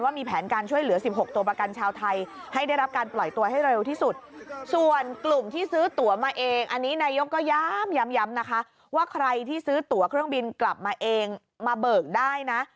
ว่าใครที่ซื้อตัวเครื่องบินกลับมาเองมาเบิกได้นะ